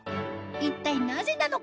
一体なぜなのか？